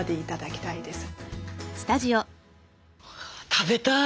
食べたい！